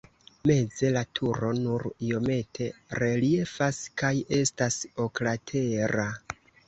Meze la turo nur iomete reliefas kaj estas oklatera.